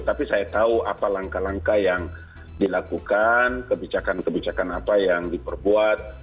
tapi saya tahu apa langkah langkah yang dilakukan kebijakan kebijakan apa yang diperbuat